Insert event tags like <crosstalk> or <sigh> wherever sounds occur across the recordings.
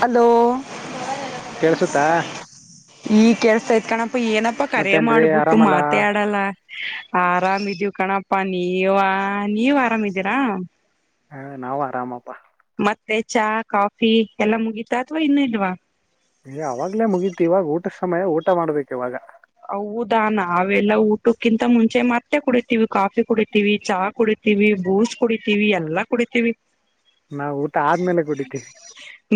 Hello ಕೇಳ್ಸುತ್ತಾ ಈಗ್ ಕೇಳ್ಸ್ತೈತ್ ಕಣಪ್ಪ ಏನಪ್ಪಾ ಕರೆ ಮತ್ತೇನ್ರೀ ಮಾಡ್ಬಿಟ್ಟು ಆರಾಮಲ್ಲ ಮಾತೆ ಆಡಲ್ಲ. ಆರಾಮಿದೀವು ಕಣಪಾ ನೀವ ನೀವ್ ಆರಾಮಿದೀರಾ. ಹಾ ನಾವು ಆರಾಮಪ್ಪಾ ಮತ್ತೆ ಚಹ ಕಾಫಿ ಎಲ್ಲ ಮುಗೀತಾ ಅಥವಾ ಇನ್ನು ಇಲ್ವಾ? ಅವಾಗ್ಲೇ ಮುಗೀತಿ ಇವಾಗ ಊಟ ಸಮಯ ಊಟ ಮಾಡ್ಬೇಕು ಇವಾಗ. ಹೌದಾ ನಾವೆಲ್ಲ ಊಟಕ್ಕಿಂತ ಮುಂಚೆ ಮತ್ತೆ ಕುಡಿತೀವಿ ಕಾಫಿ ಕುಡಿತೀವಿ ಚಾ ಕುಡಿತೀವಿ ಬೂಸ್ಟ್ ಕುಡಿತೀವಿ ಎಲ್ಲಾ ಕುಡಿತೀವಿ. ನಾವ್ ಊಟ ಆದ್ಮೇಲೆ ಕುಡಿತೀವಿ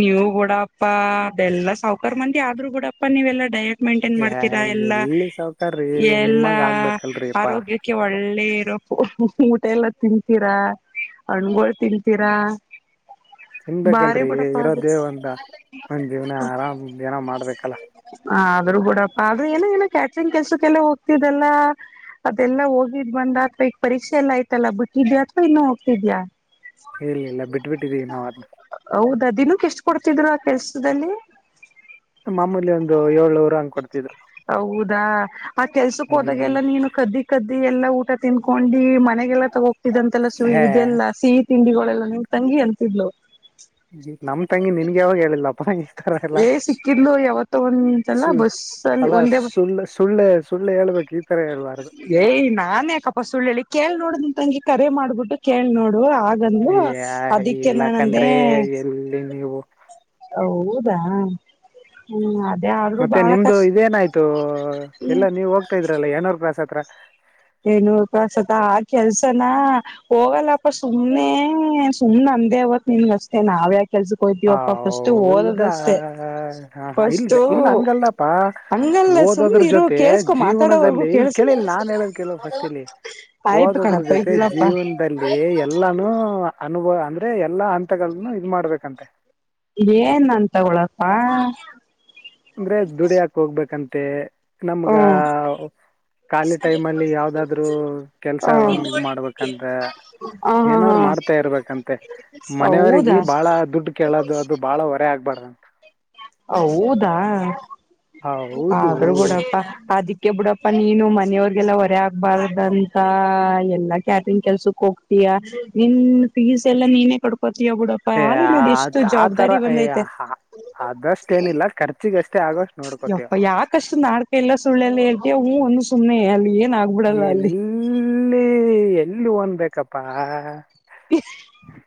ನೀವು ಬುಡಪ್ಪ ಅದೆಲ್ಲ ಸಾವ್ಕಾರ ಮಂದಿ ಆದ್ರೂ ಬಿಡಪ್ಪ ನೀವೆಲ್ಲ ಡಯಟ್ ಮೈಂಟೈನ್ ಏ ಮಾಡ್ತೀರ. ಎಲ್ಲ ಎಲ್ಲಿ ಸಾವ್ಕಾರ್ರೀ ಎಲ್ಲಾ ನಿಮ್ಮಂಗ ಆಗ್ಬೇಕಲ್ರಿ ಅಪ್ಪಾ ಆರೋಗ್ಯಕ್ಕೆ ಒಳ್ಳೆ ಇರೋ. ಊಟ ಎಲ್ಲ ತಿಂತೀರಾ ಹಣ್ಗಳು ತಿಂತೀರಾ. ಬಾರಿ ತಿನ್ಬೇಕಲ್ರರಿ ಬಿಡಪ್ಪಾ ಇರೋ ಅದು ದೇವ್ ಅಂತ ಒಂದ್ ಜೀವ್ನ ಆರಾಮ ಏನೋ ಮಾಡ್ಬೇಕಲ್ಲ. ಹ ಆದ್ರೂ ಕೂಡಪ್ಪ. ಏನೋ ಏನೋ ಕ್ಯಾಟ್ರಂಗ್ ಕೆಲಸಕ್ಕೆಲ್ಲ ಹೋಗ್ತಿದಿದ್ದಲ್ಲ ಅದೆಲ್ಲಾ ಹೋಗಿದ್ ಬಂದ ಅಥವಾ ಈಗ ಪರೀಕ್ಷೆಲ್ಲ ಆಯ್ತಲ್ಲ ಬಿಟ್ಟಿದ್ಯಾ ಅಥವಾ ಇನ್ನು ಹೋಗ್ತಿದ್ಯಾಾ. ಇಲ್ಲ ಇಿಲ್ಲ ಬಿಟ್ಬಿಟ್ಟಿದ್ದೀವಿ ನಾವನ್ನ. ಹೌದಾ ದಿನಕ್ಕೆ ಎಷ್ಟು ಕೊಡ್ತಿದ್ರು ಆ ಕೆಲ್ಸದಲ್ಲಿ. ಮಾಮೂಲಿ ಒಂದು ಏಳ್ೂರು ಹಂಗ್ ಕೊಡ್ತಿದ್ರು. ಹೌದಾ ಆ ಕೆಲ್ಸಕ್ ಹ್ಮ್ ಹೋದಾಗೆಲ್ಲ ನೀನು ಕದ್ದಿ ಕದ್ದಿ ಎಲ್ಲಾ ಊಟ. ತಿನ್ಕೊಂಡಿ. ಮನೆಗೆಲ್ಲ ತಗೋ್ತಿದ್ದಂತೆಲ್ಲ ಸು ಹೇ ಇದೆಲ್ಲ ಸೀ. ತಿಂಡಿಗಳೆಲ್ಲ ನಿಂ್ ತಂಗಿ ಅಂತಿದ್ಳಲು. ನಮ್ ತಂಗಿ ನಿನ್ಗೆ ಯಾವಾಗ ಹೇಳಿಲ್ಲಪ್ಪ ಈ ತರ ಎಲ್ಲ ಏ ಸಿಕ್ಕಿದ್ು ಯಾವತ್ತ ಒಂತಲ್ಲ ಸು ಬಸ್ ಅಲ್ಲಿ ಅಲ್ಲ ಒಂದೇ. ಸುಳ್ಳು ಸುಳ್ಳೆ ಸುಳ್ಳು ಹೇಳ್ಬೇಕು ಈ ತರ ಹೇಳ್ಬಾರ್ದು ಏಯ್ ನಾನನ್ ಯಕಪ್ಪ ಸುಳ್ಳುಳ್ಳಿ ಕೇಳಿ ನೋಡ್ದ. ತಂಗಿ ಕರೆ ಮಾಡ್ಬಿಟ್ಟ ಕೇಳಿ ನೋಡ್. ಹಾಗಂದು ಅದಕ್ಕೆ ಇಲ್ಲ ನಾನಂದೆ. ಕಣ್ರೀ ಎಲ್ಲಿ ನೀವು ಹೌದಾ ಹ್ಮ ಅ. ಮತ್ತೆ ನಿಮ್ದು ಇದೇನಾಯ್ತು ಎಲ್ಲಾ ನೀವ್ ಹೋಗ್ತಾ ಇದ್ರಲ್ಲ ಏನೂರ್ ಪ್ರ್ಾಸ್ ಆತ. ಅ. ಏನಪಸತ ಆ ಕೆಲ್ಸನಾ ಹೋಗಲ್ಲಪ್ಪ ಸುಮ್ನೆ ಸುಮ್ನೆ ಅಂದೇವತ್ ನಿನ್ಗ ಅಷ್ಟೇ ನಾವ್ಯಾಕೆ. ಆ ಕೆಲ್ಸಕೊಯ್ತೀವಪ್ಪ ಫಸ್ಟ್ ಹೌದಾ ಓದದಷ್ಟೆ ಇಲ್ದ ಫಸ್ಟು ಇಲ್ಲ ಹಂಗಲ್ಲಪ್ಪಾ ಹಂಗಲ್ಲ ಓದೋದ್ರ ಸುಮ್ಮ್ನಿರು ಜೊತೆ ಕೇಸ್ಕೊ ಮಾತಾಡೋವರ್ಗೂ ಜೀವನದಲ್ಲಿ ಇಲ್ಲಿ ಕೇಳಸ. ಕೇಳಿಲ್ ನಾನ್ ಹೇಳದ್ ಫಸ್ಟ್ ಇಲ್ಲಿ ಹಓದದ್ರ ಜೊತೆ ಇಲ್ಲಪ್ಪಾ ಜೀವನದಲ್ಲಿ ಎಲ್ಲಾನು ಅನುಭವ ಅ. ಅೇ ಎಲ್ಲಾ ಹಂತಗಳನ್ನ ಇದು ಮಾಡ್ಬೇಕಂತೆ. ಏನ್ ಅನ್ ತಗೊಳಪ್ಪಾ. ಅಂದ್ರೆ ದುಡಿಿಯಾಕ್ ಹೋಗ್ಬೇಕಂತ. ಮತ್ತು. ನಮ್ಗ ಹ್ಮ ಖಾಲಿ ಟೈಮ್ ಅಲ್ಲಿ ಯಾವ್ದಾದ್ರು ಹ್ಮ ಕೆಲ್ಸನ್ ಇದ್ ಮಾಡ್ಬೇಕಂತ ಹ ಹಾ ಹಾ ಏನಾದ್ರು ಮಾಡ್ತಾ ಇರ್ಬೇಕಂತೆ ಮನೆಯವಗ ಹೌದಾ ಬಹಳ ದುಡ್ಡು ಕೇಳದು ಅದು ಬಾಳ ಹೊರೆ ಆಗ್ಬಾರ್ದ. ಹದ. ಹೌದು ಆದ್ರೂ ಕೂಡಪ್ಪ ಅಿ. ೆ ಬಿುಡಪ್ಪಾ ನೀನು ಮನೆಯವ್ರಗೆಲ್ಲಾ ಹೊರ ಆಗ್ಬಾರ್ದಂತ ಎಲ್ಲಾ ಕ್ಯಾಟ್ರಿಂಗ್ ಕೆಲ್ಸಕ್ ಹೋಗ್ತೀಯಾ ನೀನ್ ಫೀಸ್ ಎಲ್ಲಾ ನೀನೇ ಕ. ಪತಬುಡಪ್ಪ ಏ ಅಲ್ಲಿ ನೋಡಿ ಇಷ್ಟು ಆ- ಆ ತರ ಜವಾಬ್ದಾರಿ ಏ, ಬಂದೈತೆ. ಆ- ಅದಷ್ಟೇನಿಲ್ಲ ಖರ್ಚಿಗಷ್ಟೇ ಆಗೋಷ್ಟು ನೋಡ್ಕೋತೀವ ಯಪ್ಪ ಯಾಕಷ್ಟು ನಾಡಕ ಎಲ್ಲ ಸುಳ್ಳಲ್ಲ ಹೇಳ್ತಯ ಹ್. ಸುನೆ ಹಾಲಯ. ಏ ನೀ ಹೂ <unintelligible> <inaudible>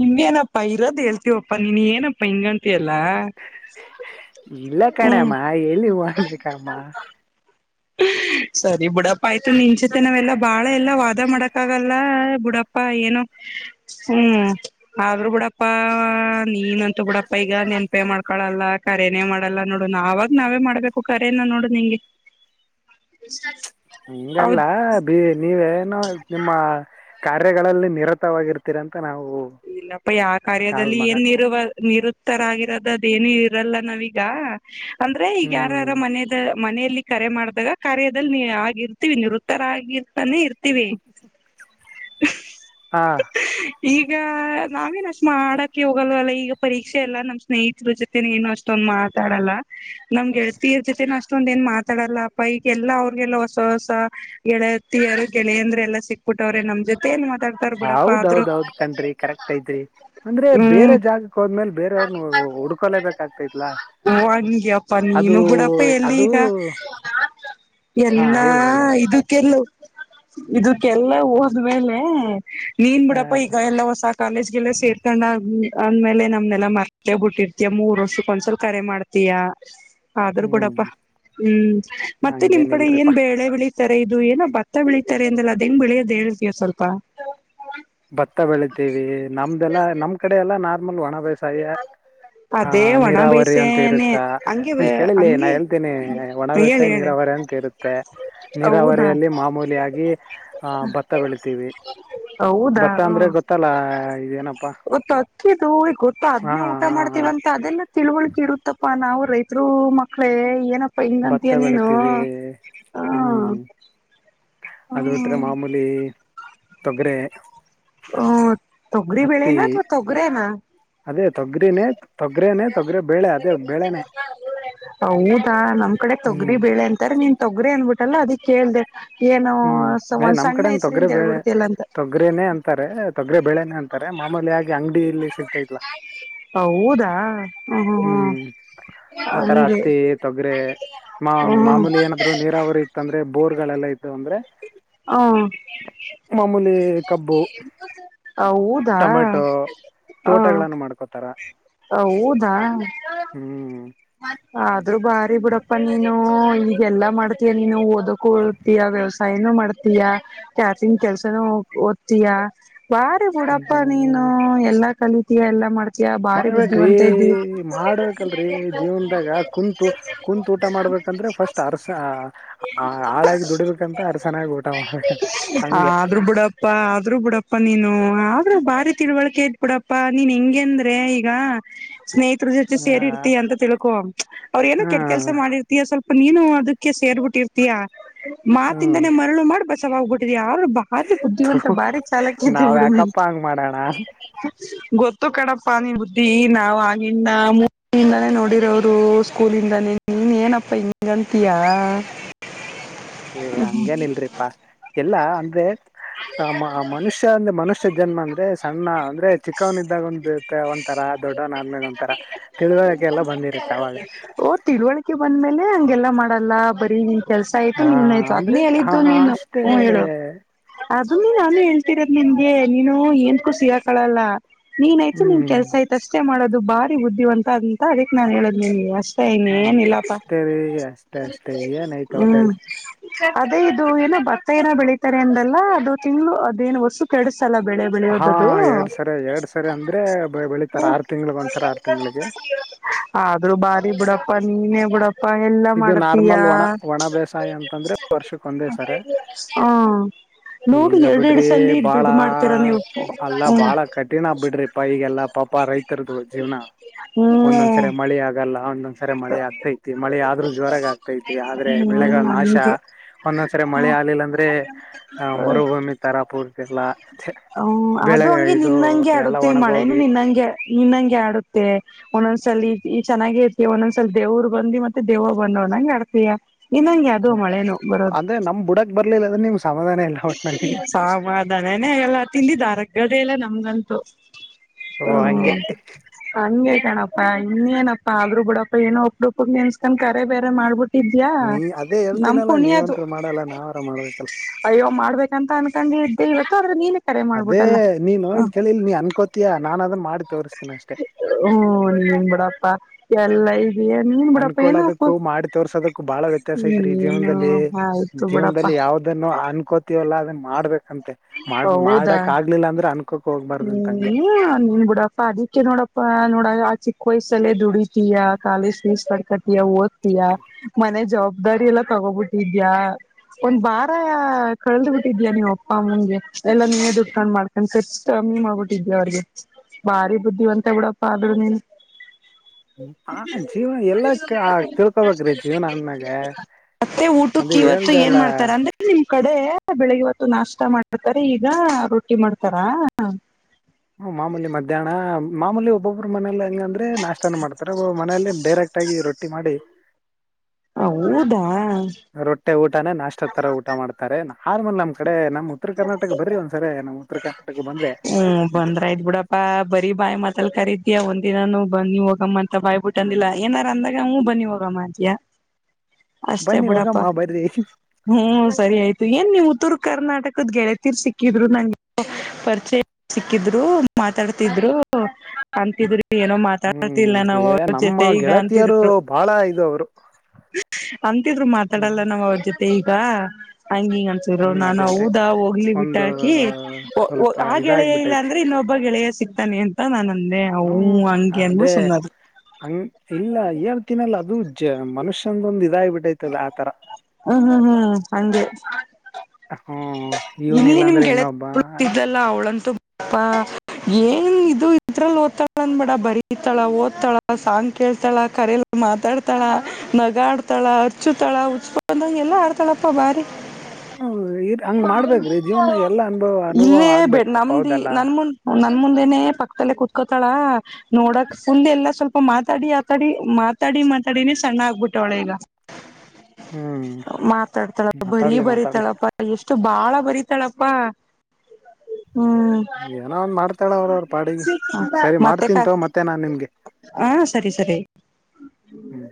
ನಿಮ್ನಪ್ಪ ಇರೋದು ಹೇಳ್ತೀವಪ್ಪಾ ನೀನ್ ಏನಪ್ಪ ಹ ಹಿಂಗಂತಿಯಪ್ಪ. ಇಲ್ಲ ಹ್ಮ್ ಕಣಮ್ಮ ಎಲ್ಲಿವು ಮಾಡ್ಬೇಕಮ್ಮ. ಸರಿ ಬುಡಪ್ಪ ಆಯ್ತು ನಿನ್ಚತೆ ನಾವೆಲ್ಲಾ ಬಾಳ ಎಲ್ಲಾ ವಾದ ಮಾಡಕ ಆಗಲ್ಲ ಬುಡಪ್ಪ. ಪ್ಪಾ ಏನು ಹ್ಮ್ ಅದ್ರು ಬಿಡಪ್ಪಾ ನೀನಂತು ಬಿಡಪ್ಪ ಈಗ ನೆನ್ಪೇ ಮಾಡ್ಕೊಳಲ್ಲ ಕರೇನೇ ಮಾಡಲ್ಲ ನೋಡು ಅವಾಗ ನಾವೇ ಮಾಡ್ಬೇಕು ಕರೇನ ನೋಡು ನಿಂಗೆ. ಹಂಗಲ್ಲ ಹೌದ್ ಬಿ ನೀವೇ. ನರಸಿಂಹ. ಕಾರ್ಯಗಳಲ್ಲಿ ನಿರತವಾಗಿರ್ತರಂತ ಇಲ್ಲಪ್ಪ ಯಾವ ಕಾರ್ಯದಲ್ಲಿ ಏನ್ ಮಾಡಕ್ ನಿರುವ ನಿರುತ್ತರಾಗಿ ದ ಅದೇಏನ ಇರಲ್ಲ ನಾವೀಗ ಅಂದ್ರೆ ಈಗ ಯಾರ ಯಾರ ಹ್ಮ್ ಮನದ. ಮನೆಯಲ್ಲಿ ಕರೆ ಮಾಡ್ದಾಗ ಕರದಲ್ಲಿ ಆಗಿರ್ತೀವಿ ನಿವೃತ್ತರ ಆಗರ್ತಾನೆ ಇರ್ತ <unintelligible> ಹಾ <unintelligible> ಹಾ ನಾವೇನ್ ಅಷ್ಟ ಮಾಡಕ ಹೋಗಲ್ವಲ್ಲ ಈಗ ಪರೀಕ್ಷೆ ಎಲ್ಲ ನಮ್ ಸ್ನೇಹಿತರ ಜೊತೆ ಏನು ಅಷ್ಟೊಂದ್ ಮಾತಾಡಲ್ಲ ನಮ್ ಗೆಳತಿಯರ್ ಜೊತೆನ ಅಷ್ಟೊಂದ ಏನ್ ಮಾತಾಡಲ್ಲ ಅಪ್ಪ ಈಗೆಲ್ಲಾ ಅವ್ರಗೆಲ್ಲ ಹೊಸ ಹೊಸ ಗೆಳತಿಯರು ಗೆಳೆಯಂದ್ರ ಎಲ್ಲ ಸಿಕ್ಬಿಟ್ಟವ್ರೆ ನಮ್ ಜೊತೆ ಏನ್ ಮಾಡ್ತಾರ ಬಿಡಪ್ಪ ಆದ್ರರು. ಹೌದೌದೌದ್ ಕರೆಕ್ಟ್ ಐತ್ರಿ ಅಂದ್ರೆ ಬೇರೆ ಜಾಗಕ್ ಹೋದ್ಮೇಲೆ ಬೇರೆಯವ್ರನ್ನ ಹುಡ್ಕೊಲೇಬೇಕಾಗ್ತೈತ್ಲಾ ನಾವ್ ಹಂಗೆ ಅಪ್ಪ ಅದು ನೀನು ಬಿಡಪ್ಪ ಎಲ್ಲಿ ಅದು ಈಗ ಎಲ್ಲ ಹೇಳಿ ಹೇಳಿ ಹಾ ಇದಕ್ಕೆ. ಇದಕ್ಕೆಲ್ಲ ಹೋದ್ಮೇಲೆ. ನೀನ್ ಆ, ಬಿಡಪ ಈಗ ಎಲ್ಲ ಹೊಸ ಕಾಲೇಜ್ಗೆಲ್ಲ ಸೇರ್ಕೊಂಡ ಅಂದೇಲೆ ನಮ್ ಲ್ಲ ಮರ್ತ್ತ ಬಿಟ್ಟಿರ್ತಯ ಮೂರ್ ವರ್ಷಕ್ಕ ಒಂದ್ಸಲ್ ಕರೆ ಮಾಡ್ತಯಾ. ಆದ್ರೂ ಹ್ಮ್ ಬಿೂಡಪ್ಪ ಹ್ಮ್ ಮತ್ತೆ ನಿಮ್ ಕಡೆ ಏನ್ ಹಂಗೇನಿಲ್ರಿಪಾ ಬೇಳೆ ಬೆಳಿ ಇದು ಏನೋ ಭತ್ತ ಬೆಳೀತಾರೆ ಅಂದಲ್ಲ ಅದ ಹೆಂಗ್ ಬೆಳಿಯದ ಹೇಳ್ತಯ ಸ್ವಲ್ಪ. ಭತ್ತ ಬೆಳಿತೀವಿ <unintelligible> ಹಾ ಅದೇ ಒಣ ನೀರಾವರಿ ಅಂತ ಬೇಸೇನೆ ಇರುತ್ತ ಹಂಗೆ ಇಲ್ಲಿ ಕೇಳಲಿ ನಾ ಹಂಗೆ ಹೇಳ್ತೇನಿ ಒಣ ಹೇಳಿ ಬೆಸಾಯಿ ಹೇಳಿ ನೀರಾವರಿ ಅಂತ ಇರುತ್ತೆ ಹೌದಾ ನೀರಾವರಿಯಲ್ಲಿ ಮಾಮೂಲಿಯಾಗಿ ಆಹ ಭತ್ತ ಬೆಳತೀವಿ. ಹೌದಾ ಭತ್ತಾ ಹ್ಮ ಅಂದ್ರೆ ಗೊತ್ತಲ್ಲ ಇದೇನಪ್ಪಾ. <unintelligible> ಹಾ ಅದ್ನೇ ಊಟ ಹಾ, ಹಾ. ಮಾಡ್ತೀವ ಅಂತ ಅದೆಲ್ಲ ತಿಳುವಳಕ ಇಡತ್ತಪ್ಪಾ ನಾ ನಾವು ರೈತರು ಮಕ್ಕಳೇ ಏನ ಭತ್ತ ಬೆಳತೀವಿ ಹ ಹ್ಮ್ ಅದು ಬಿಟ್ರೆ ಹ್ಮ ಮಾಮೂಲಿ. ತೊಗ್ರೆ. ಹ್ಮ ತೊಗರಿಬೇಳೆನಾ ಅಥ್ವಾ ತೊಗ್ರೇನಾ ಅದೇ ತೊಗರಿನೇ ತೊಗರೆನೆ ತೊಗರೆ ಬೇಳೆ ಅದೇ ಬೇಳೆನೆ ಹೌದಾ ನಮ್ ಕಡೆ ಹ್ಮ್ ತೊಗರಿಬೇಳೆ ಅಂತಾರ ನೀನ್ ತೊಗರಿ ಅನ್ಬಿ ತಲ್ಲ ಅದಿಕ್ಕೆ ಕೇಳ್ದೇ ಏನೋ ಹ್ಮ್ ಏ ಒಂದ್ ನಮ್ ಸಣ್ಣ ಕಡೆ ಹೆಸರಿಂದ ಹೇಳ್ಬಿಡ್ತಿಲ್ಲ ಅಂತ. ರೇ ತೊಗ್ರಿ ಬೇಳೇನೆ ಅನ್ ತಾರೆ ಮಾಮೂಲಿ ಆಗಿ ಅಂಗಡಿ ಇಲ್ಲಿ ಸಿಗ್ತೈತ್ಲ ಹೌದಾ ಹ್ಮ್ ಆತರ ಹತ್ತಿ ತೊಗರೆ ಮಾ ಹಂಗೆ ಹ್ಮ್ ಮಾಮೂಲಿ ಏನಾದ್ರು ನೀರಾವರಿ ಇತ್ತ ಅಂದ್ರೆ ಬೋರ್ ಗಳೆಲ್ಲ ಇ ದು ಅಂದ್ರೆ. ಹಾ ಮಾಮೂಲಿ ಕಬ್ಬು ಹೌದಾ ಟೊಮೆಟೊ ಹಾ ತೋಟಗಳನ್ನು ಮಾಡ್ಕೋತಾರ ಹೌದಾ. ಹಾ ರು ಬಾರಿ ಬುಡಪ್ಪ ನೀನು. ಹೂ ಈಗೆಲ್ಲಾ ಮಾಡ್ತೀಯಾ ನೀನು ಓದಕು ಹೋಗ್ತಿಯ ವ್ಯವಸಾಯನೂ ಮಾಡ್ತೀಯ ಕ್ಯಾಟರಿಂಗ್ ಕೆಲ್ಸನೂ ಓದ್ತೀಯ. ಬಾರಿ ಬುಡಪ್ಪ ನೀನು ಹ್ಮ್ ಎಲ್ಲಾ ಕಲಿ ಎಲ್ಲ ಮಾಡ್ ಮಾಡ್ಬೇಕ್ರಿ ಮಾಡ್ಬೇಕಲ್ರಿ ದೇವ್ರ್ ಗ ಕುಂತು ಕುಂತು ಊಟ ಮಾಡ್ಬೇಕಂದ್ರೆ ಫಸ್ಟ್ ಅರ್ಸ ಆಳಾಗಿ ದುಡಿಬೇಕಂತ ಅರಸನಾಗಿ ಊಟ ಮಾಡ್ಬೇಕಂತ ಹಂಗೆ. ಪ್ಪಾ ನೀನು ಆದ್ರೂ ಬಾರಿ ತಿಳಿವಳ್ಕೆ ಐತ್ಬುಡಪ್ಪಾ ನೀನ್ ಹಿಂಗೆ ಅಂದ್ರೆ ಈಗ ಸ್ನೇಹ್ ತ್ರ ಜೊತೆ ಹ ಸೇರಿರ್ತ್ತಿ ಅಂತ ತಿಳ್ ಕೋ ಅವ್ರ ಏನೋ ಕೆಟ್ಟ ಕೆಲ್ಸ ಮಾಡಿರ್ತೀಯ ಸ್ವಲ್ ಪ ನೀನು ಅದಕ್ಕೆ ಸೇರ್ಬಿಟ್ಟಿರ್ತೀಯಾ. ಹ್ಮ್ ಮಾತಿಂದನೇ ಮರಳು ಮಾಡಿ ಬ ವಾಗ್ಬಿಟ್ಟಿದ್ಯಾ. ಆದ್ರು ಬಾರಿ ಬುದ್ಧಿವಂತ ಬಾರಿ ಚಾಲಕಿದ್ದಿ ನಾವ್ ಬಿಡು ನೀನ್ ಯಾಕಪ್ಪ ಹಂಗ್ ಮಾಡೋಣ ಗೋ ಕಡಪ್ಪ ನೀ ಬುದ್ಧಿ ನಾವ್ ಆಗಿಂದ ಮೂ ಇಂದಾನೇ ನೋಡಿ ವರು ಸ್ಕೂಲಿಂದಾನೆ ನೀನ್ ಏನಪ್ಪಾ ಹಿಂಗಂತಿಯಾ. ಏ ಹಂಗೇನ್ ಇಲ್ರಿಪ್ಪ. ಎಲ್ಲ ಅಂದ್ರೆ ಆ ಮ ಮನುಷ್ಯ ಅಂದ್ರೆ ಮನುಷ್ಯ ಜನ್ಮ ಅಂದ್ರೆ ಸಣ್ಣ ಅಂದ್ರೆ ಚಿಕ್ಕವನ್ ಇದ್ದಾಗ ಒಂದಿರುತ್ತೆ ಒನ್ ಎಲ್ಲ ಬಂದಿರುತ್ತೆ ಅವಾಗ ಓ ತಿಳುವಳಿಕೆ ಬಂದ್ಮೇಲೆ ಹಂಗೆಲ್ಲ ಮಾಡಲ್ಲ ಬ <unintelligible> ಕೆಲ್ಸ ಆಯ್ತು ಹ ನೀನ್ ಆಯ್ತು ಅದ್ನೇ ಅಂದ್ರೆ ಹ ಹೇಳಿದ್ದು ನೀನು ಅಷ್ಟೇ ಹೂಂ ಹೇಳು. ಅದುನೆ ನಾನು ಹೇಳ್ತಿರದ ನಿನ್ಗೆ ನೀನು ಏನ್ಕುಷಿಗಾಕಳಲ್ಲ. ನೀನ್ ಆಯತು ನಿನ್ ಹ್ಮ್ ಕೆಲಸ ಆಯ್ತ. ಅಷ್ಟೇ ಮಾಡೋದು ಭಾರಿ ಬುದ್ಧಿವಂತ ಅಂತ ಅದಕ್ಕೆ ನಾನ್ ಹೇಳದ್ ನಿಮಗೆ ಅಷ್. ಸ್ಟೇ ಹ ಮತ್ತ ಇನ್ನೇನಿಲ್ಲಪ್ಪ ಅಷ್ಟೇ ರೀ ಅಷ್ಟೇ ಅಷ್ಟೇ ಏನಐತ ಹ್ಮ್ ಹೌದಲ್ಲ ಅದೇ. ದು ಏನ ಬತ್ತ ರ ಬೆಳೀಿತಾರೆ ಅಂದಲ್ಲಾ ಅದು ತಿಂಗಳು ಅದೇನ್ ವರ್ಸು ಕೆಸ. ಹಾ ಎರಡ್ ಸರಿ ಎರಡ್ ಸರಿ ಅಂದ್ರೆ ಬೆಳಿ. ಆದ್ರೂ ಬಾರಿ ಬುಡಪ್ಪ. ನೀ ಬಡ. ಇದು ನಾರ್ಮಲ್ ಒಣ ಒಣ ಬೇಸಾಯ ಅಂತಂದ್ರೆ ವರ್ಷಕ್ ಒಂದೇ ಸರ ಹಾ ನೋಡಿ ಈಗ ಎರಡೆರಡು ಬಿಡ್ರಿ ಸಲಿ ಬಾಳ ದುಡ್ಡು ಮಾಡ್ತೀರಾ ನೀವು ಅಲ್ಲಾ ಬಾಳ ಕಠಿಣ ಹ್ಮ್ ಆಗ್ಬಿಡ್ರಿಪ್ಪಾ ಈಗೆಲ್ಲ ಪಾ. ರೈತರದದು ಜೀವನ ಹ್ಮ್ ಒಂದೊಂದ್ಸರಿ ಮಳೆ ಆಗಲ್ಲ ಒಂದೊಂದ್. ಸರ ಮಳ ಆಗ್ತೈತಿ ಮಳೆ ಆ. ್ರರು ಜ್ರಾಗ ಆಗ್ತೈತಿ ಆದ್ರೆ ಬೆಳೆಗಳ ಹ್ಮ್ ನಾಶ ಹಂಗೆ ಒಂದೊಂದ್ಸರಿ ಮಳೆ ಆಗ್ಲಿಲ್ಲ ಅಂದ್ರೆ ಆ ಮರುಭೂಮಿ ತರ ಪೂರ್ತಿಲ್ಲ ಹ ಬೆಳೆ ಅದು ಹಂಗೆ ಇದು ಎಲ್ಲಾ ಒಣಗೋಗಿ. ಇನ್ನಂಗೆ ಆಡುತ್ತೆ ಒಂದೊಂದ್ಸಲ ಈ ಚೆನ್ನಾಗಿರ್. ಈ ಒಂದೊಂದ್ಸಲ ದೇವ್ ಬಂದ ಮತ್ತ ದವ್ ಬಂದೋ ನಂಗಗೆ ಆಡ್ತಿಯಯ. ಇನ್ನಂಗೆ ಅದು ಮಳೆನು ಬರೋದು ಅಂದ್ರೆ ನಮ್ ಬುಡಕ್ ಬರ್ಲಿಲ್ಲ ಅಂದ್ರೆ ನಿಮ್ಗೆ ಸಮಾಧಾನ ಇಲ್ಲ ಒಟ್ನಲ್ಲಿ ಸಾಮಾಧಾನನೇ ಎಲ್ಲ ತಿಿಂದಿಾರಗ್. ಅಲ್ಲ ನಮ್ಗಂತು. ಓ ಹ್ಮ ಹಂಗೆ ಅಂದ. ಪ್ಪಾ ಇನ್ನೇನಪ್ಪಾ ಆದ್ರೂ. ಬಿಡಪ್ಪ ಏೋ ಒಪ್ಪುೊಪ್ಪ ನೆನ್ಸ್ಕೊಂಡ ಕರೆ ಬೇರೆ ಮಾಡಬಟ್ಟು ಇದ್ಯಾ ನೀ ಅದೇ ನಮ ಹೇಳ್ತೀನಲ್ಲ ಪುಣ್ಯದು ನೀವಂತೂ ಮಾಡಲ್ಲ ನಾವಾರ ಮಾಡ್ಬೇಕಲ್ಲ ಅಯ್ಯೋ ಮಾಡ್ಬೇಕಂತ ಅನ್ಕೊಂಡ ಇದ್ದೆ ಇವತ್ತು. ಹೌ ನೀನು ಅದೇ ನೀನ್ ನೋಲ್ ಕೇಳಿಲ್ ನೀ ಅನ್ಕೋತೀಯಾ ನನ್ ಅದನ್ ಮಾಡ್ತ. ಹ್ಮ್ ನಿ ಬಡ. ಾ ಎಲ್ಲ ಈ ಅನ್ಕೊಳೋದಕ್ಕೂ ಮಾಡಿ ತೋರ್ಸೋದಕ್ಕೂ ಬಾಳ ವ್ಯತ್ಯಾಸ ಇದ್ರಿ ನೀನು ಜೀವನದಲ್ಲಿ ಆಯ್ತು ಬಿಡಪ್ಪಾ ಜೀವನದಲ್ಲಿ ಯಾವ್ದನ್ನು ಅನ್. ಕೋತೀವಲ್ಲ ಅದನ್ನ ಮಾಡ್ಬೇಕು. ಅಂತೆ ಮಾಡ ಹೌದಾ ಮಾಡಕ್ ಆಗ್ಲಿಲ್ಲ ಅಂದ್ರೆ ಅನ್. ಹ್ಮ್ ನಿನ್ ಬಿಡಪ್ಪ ಅದಿಕ್ಕೆ ನೋಡಪ್ಪ ನೋಡ. ಚಿಕ್ಕ ವಯಸ್ಸಲ್ಲೇ ದುಡಿತಯ ಕಾಲೇಜ್ ಫೀಸ್ ಕಡ್ಕತೀಯ ಓದ್ತೀಯ ಮನೆ ಜವಾಬ್ದಾರಿ ಎಲ್ಲಾ ತಗೋಬಿಟ್ಟಿದ್ಯಾ ಒಂದ್ ಬಾರ ಕಳದ್ ಬಿಿಟ್ಟಿದಯ ನೀ್ ಅಪ್ಪ ಅಮ್ಮನಗೆ ಎಲ್ಲಾ ನೀ ಉಡ್ಕೊಂಡ್ ಮಾಡ್ಕೊಂಡ. ಕಮ್ಮಿ ಮಾಡ್ಬಿಟ್ಟಿದ್ದೆ ಅವ್ರಿಗೆ ಭಾರಿ ಬುದ್ಧಿವಂತ ಬಿಡಪ್ಪ ಆದ್ರ ನೀನು. ಆ ಜೀವನ ಎಲ್ಲ ಆ ತಿಳ್ಕೊಬೇಕ್ರಿ ಜೀವನ ಅ್ಣಾಗ ಮತ್ತೆ ಅಂದ ಊಟಕ್ಕೆ ಇವತ್ತು ಏನ್ ಹೇಳ್ದಲ್ಲ. ಮಾಡ್ತಾರ ಅಂದ್ರೆ ನಿಮ್ ಕಡೆ ಬೆಳಿಗ್ಗೆ ಹೊತ್ತು ನಾಷ್ಟ ಮಾಡಿರ್ತಾರೆ ಈಗ ರೊಟ್ಟಿ ಮಾಡ್ತಾರ. ಹಾ. ಹ್ಮ ಮಾಮೂಲಿ ಮಧ್ಯಾಹ್ನ ಮಾಮೂಲಿ ಒಬ್ಬೊಬ್ಬರು ಮನೇಲ್ಲ. ಅಂದ್ರೆ ನಾಷ್ಟತಾನ ಮಾಡ್ತಾರೆ ಮನೆಯಲ್ಲಿ ಡೈರೆಕ್ಟ್ ಆಗಿ ರೊಟ್ಟಿ ಮಾಡಿ. ಹ ಊದಾ. ರೊಟ್ಟೆ ಊಟಾನೇ ನಾಷ್ಟ ತರ ಊಟ ಮಾಡ್ತಾರೆ ಆರ್ಮಲ್ ನಮ್ಮ ಕಡೆ ನಮ ಕರ್ನಾಟಕ ಬಂದ್ರೆ ಹ್ಮ ಬಂದ್ರಾಯಯ್ ಬಿಡಪ್ಪಾ ಬರಿೀ ಬಾಯಿ ಮಾತಲ್ ಕರ್ ಅಯ ಒಂದ ದಿನಾನೂ ಬನ್ನಿ ಹೋಗಮ್ಮ ಅಂತ ಬಾಯ್ಬಿಟ್ಟ ಅಂದಿಲ್ಲ ಏನಾರ ಅಂದಾಗ ಅವೂ ಬನ್ನಿ ಹೋಗಮ್ಮ ಅತಿಯಾ ಅಷ್ಟೇ ಬನ್ನಿ ಬಿಡಪ್ಪ ಹೋಗಮ್ಮ ಬರ್ರಿ ಹ್ಮ್ ಸರಿ ಆಯ್ತು ಏನ್ ನೀವು ಉತ್ತರ ಕರ್ನಾಟಕ ್ ಗೆಳತಿೀರ್ ಸಿಕ್ಕಿದ್ರು ನಂಗೆ ಪರಿಚಯ ಸಿಕ್ಕಿದ್ರು ಮಾತಾಡ್ತಿದ್ರು ಅಂತಿದ್ರು ಏನೋ ಮಾತಾಡ್ತಿಲ್ಲ ಹ್ಮ್ ನಾವ್ ಏ ಅವ್ರ ನಮ್ಮ ಜೊತೆ ಈಗ ಗೆಳತಿಯರು ಅಂತಿದ್ರು ಬಹಳ ಇದು ಅವರು ಅಂತಿದ್ರು ಮಾತಾಡಲ್ಲ ನಾವ್ ಅವ್ರ ಜೊತೆ ಈಗ ಹಾ ಹಂಗ ಹಿಂಗ ಅನ್ಸಿದ್ರು ಹ್ಮ್ ನಾ ಅದೇ ಅದೇ ಹೋಗ್ಲಿ ಬಿಟ್ಟ ಒಂದು ಹಾಕಿ ಸ್ವಲ್ಪ ಆ ಗೆಳೆಯ ಇಲ್ಲ ಇದಾಗಬಿಟ್ಟೈತಿ ಅಂದ್ರೆ ಇನ್ನೊಬ್ಬ ಗೆಳೆಯ ಸಿಕ್ತ ಅಂತ ನಾನ ಹ್ಮ್ ಅದೇ ಹಂಗ ಇಲ್ಲ ಹೇಳ್ತೀನಲ್ಲ ಅದು ಮನುಷ್ಯನ್ೊಂದು ಇದ ಆಬಿಟ್ಟೈತಲ್ಲ ಆ ತರ ಹ್ಮ್ ಹ್ಮ್ ಹ್ಮ್ ಹಗೆ ಹ್ಮ ಇವನ್ ಇಲ್ಲಿ ಇಲ್ಲಾ ನಿಮ್ ಅಂದ್ರೆ ಇನ್ನೊಬ್ಬ ಗೆಳೆಳಿದ್ದಲ್ಲ ಅವ್ಳಂತೂ ಅಪ್ಪಾ ಏನ್ ಇದು ಇದ್ರಲ್ಲಿ ಓದ್ತಾಳ ಅಂದಬೇಡ ಬರತಾಳ ಓದ್ತಾಳ ಸಾಂಗ್ ಕೇಳ್ತಾಳ ಕರಲ್ಲ ಮಾತಾಡ್ತಾಳ ನಗ ಆಡ್ತಾಳ ಹರ್ಚುತಾಳ ಹುಚ್ ಬಂದಂ ಎಲ್ಲಾ ಆಡ್ತಾಳಪ್ಪಾ ಬಾರಿ ಹೌ ಹಂಗ್ ಮಾಡ್ಬೇಕ್ರೀ ಜೀವನ ಎಲ್ಲಾ ಅನುಭವ ಅನುಭವ ಇಲ್ಲೇ ಬೆ ಆಗ್ಬೇಕ ಪಪ್ಪ ನಮ್ದಿ ಹೌದಲ್ಲ ನನ್ ಮುಂದ್ ನನ್ ಮುಂದೆನೆ ಪಕ್ಕತಲ್ಲೇ ಕುೂತ್ಕೋತಾಳ ನೋಡಕ್ ಫುಲ್ ಎಲ್ಲ ಸ್ವಲ್ಪ ಮಾತಾಡಿ ಆತಾಡಿ ಮಾತಾಡಿ ಮಾತಾಡಿನೇ ಸಣ್ಣ ಆಗ್ಬಿಟ್ಟವಳ ಈಗ ಹ್ಮ್ ಮಾತಾಡ್ತಾಳ ಬರೀ ಮಾತಾಡ್ಲಿ ಮಾತಾಡ್ಲಿ ಬರತಾಳಪ್ಪ ಎಷ್ಟ ಅಷ್ಟ ಬಾಳ ಬರಿೀತಾಳಪ್ಪಾ ಏನೋ ಒಂದ್ ಮಾಡ್ತಾಳ ಅವ್ರವರು ಪಾಡಿಗೆ ಸರಿ ಮತ್ತೆ ಕ ಮಾಡ್ತಂತ ಮತ್ತೆ ನಾನ್ ನಿಮ್ಗೆ ಹ ಸರಿ ಸರಿ ಹ್ಮ್